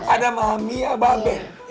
ada mami abang ben